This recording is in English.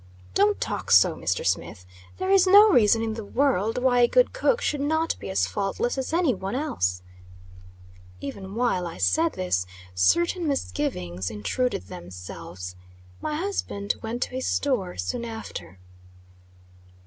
"Don't talk so, Mr. Smith. There is no reason in the world why a good cook should not be as faultless as any one else." Even while I said this, certain misgivings intruded themselves. My husband went to his store soon after.